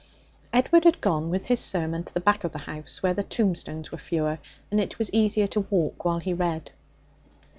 Edward had gone with his sermon to the back of the house where the tombstones were fewer and it was easier to walk while he read.